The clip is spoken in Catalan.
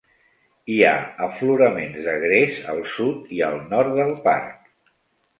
Hi ha afloraments de gres al sud i al nord del parc.